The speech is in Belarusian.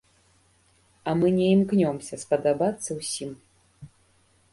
А мы не імкнёмся спадабацца ўсім.